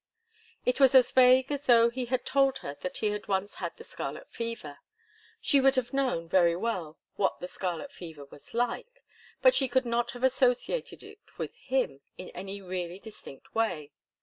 It was as vague as though he had told her that he had once had the scarlet fever. She would have known very well what the scarlet fever was like, but she could not have associated it with him in any really distinct way.